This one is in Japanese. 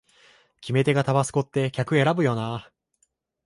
決め手がタバスコって客選ぶよなあ